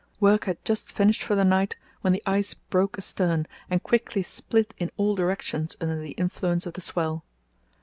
Work had just finished for the night when the ice broke astern and quickly split in all directions under the influence of the swell.